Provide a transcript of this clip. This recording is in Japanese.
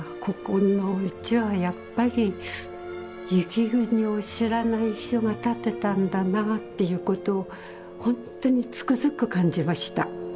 ここのうちはやっぱり雪国を知らない人が建てたんだなっていうことを本当につくづく感じました。